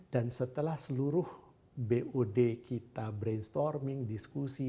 dan setelah seluruh bod kita brainstorming diskusi